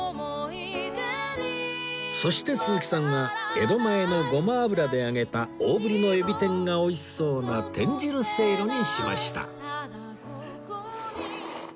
そして鈴木さんは江戸前のごま油で揚げた大ぶりのエビ天が美味しそうな天汁せいろにしました